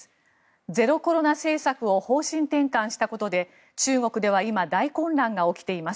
ゼロコロナ政策を方針転換したことで中国では今大混乱が起きています。